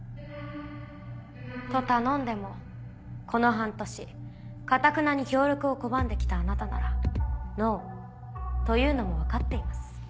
と頼んでもこの半年かたくなに協力を拒んで来たあなたなら「ノー」と言うのも分かっています。